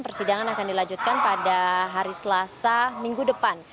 persidangan akan dilanjutkan pada hari selasa minggu depan